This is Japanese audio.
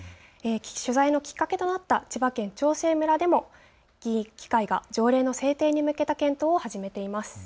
取材のきっかけとなった千葉県長生村でも条例の制定に向けた動きが出ています。